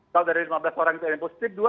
kalau dari lima belas orang itu yang positif dua